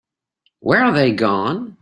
Where are they gone?